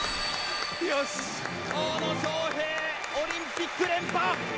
大野将平、オリンピック連覇！